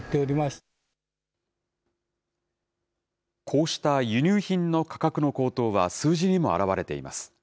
こうした輸入品の価格の高騰は、数字にも表れています。